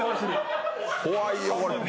怖いよ。